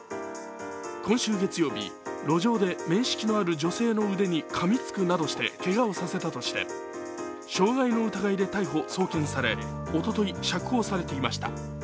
今週月曜日、路上で面識のある女性の腕にかみつくなどしてけがをさせたとして、傷害の疑いで逮捕・送検されおととい釈放されていました。